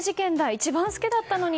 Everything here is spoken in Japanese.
一番好きだったのに。